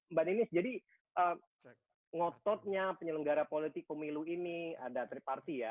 mbak ninis jadi ngototnya penyelenggara politik pemilu ini ada triparty ya